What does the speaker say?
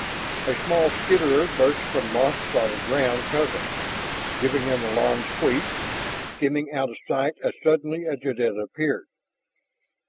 A small skitterer burst from moss spotted ground covering, giving an alarmed squeak, skimming out of sight as suddenly as it had appeared.